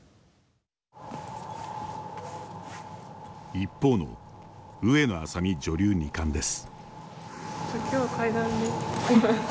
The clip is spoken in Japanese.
一方の上野愛咲美女流二冠です。